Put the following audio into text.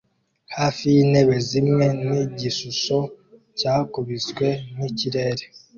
hafi yintebe zimwe nigishusho cyakubiswe nikirere